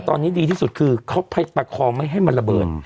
ตอนนี้ดีที่สุดคือเขาไปประคองไม่ให้มันระเบิด